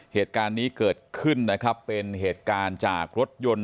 เหตุการณ์นี้เกิดขึ้นนะครับเป็นเหตุการณ์จากรถยนต์